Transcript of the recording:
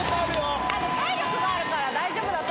体力があるから大丈夫だと思う。